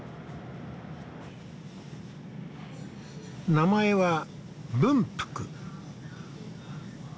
名前は文福。